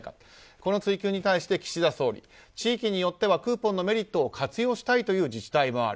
この追及に対して岸田総理地域によってはクーポンのメリットを活用したいという自治体もある。